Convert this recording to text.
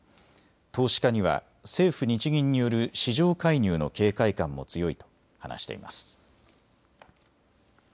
投資家には政府・日銀による市場介入の警戒感も強いと話しています。